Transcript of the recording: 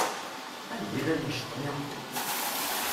Anda i llan yiceṭṭen-iw?